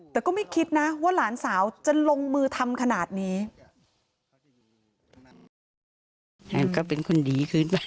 แต่ก็ไม่คิดนะว่าหลานสาวจะลงมือทำขนาดนี้